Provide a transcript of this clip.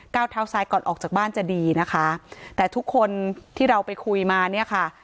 เท้าซ้ายก่อนออกจากบ้านจะดีนะคะแต่ทุกคนที่เราไปคุยมาเนี่ยค่ะ